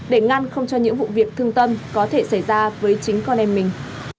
để ngăn không cho những vụ việc thương tâm có thể xảy ra với chính con em mình